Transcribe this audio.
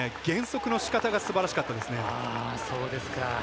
減速のしかたがすばらしかったですね。